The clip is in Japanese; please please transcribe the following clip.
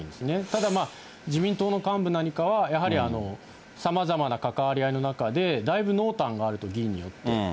ただ、自民党の幹部なんかは、やはりさまざまな関わり合いの中で、だいぶ濃淡があると、議員によって。